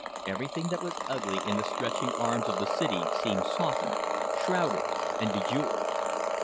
Everything that was ugly in the stretching arms of the city seemed softened, shrouded and bejewelled.